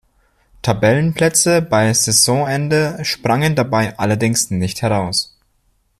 Tabellenplätze bei Saisonende sprangen dabei allerdings nicht heraus.